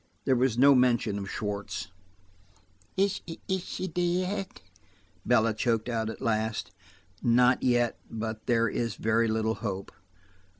There was no mention of Schwartz. "Is she–dead?" Bella choked out at last. "Not yet, but there is very little hope."